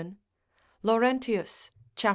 7. Laurentius, cap.